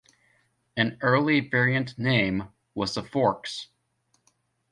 An early variant name was The Forks.